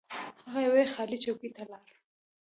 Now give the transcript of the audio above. هغه یوې خالي چوکۍ ته لاړ.